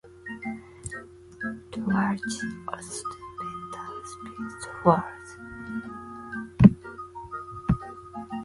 "Dewaruci" also participates in tall ship races and events around the world.